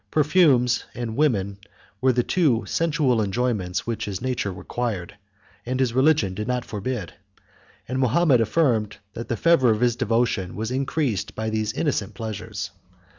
Perfumes and women were the two sensual enjoyments which his nature required, and his religion did not forbid; and Mahomet affirmed, that the fervor of his devotion was increased by these innocent pleasures.